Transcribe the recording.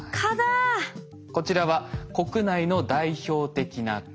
こちらは国内の代表的な蚊。